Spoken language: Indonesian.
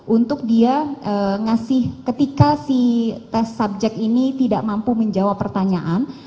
untuk dia ngasih ketika si tes subjek ini tidak mampu menjawab pertanyaan